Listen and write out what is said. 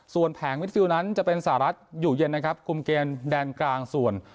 ส่วนแผงมิดฟิลนั้นจะเป็นสหรัฐอยู่เย็นนะครับคุมเกมแดนกลางส่วน